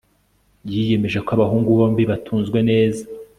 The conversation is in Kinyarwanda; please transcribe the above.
Yiyemeje ko abahungu bombi batunzwe neza